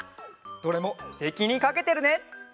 どれもすてきにかけてるね。